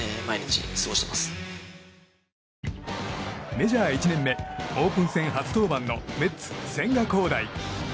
メジャー１年目オープン戦初登板のメッツ、千賀滉大。